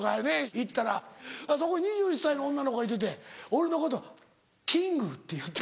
行ったらそこに２１歳の女の子がいてて俺のことキングって言って。